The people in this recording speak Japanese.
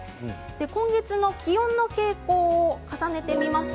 今月の気温の傾向を重ねて見ます。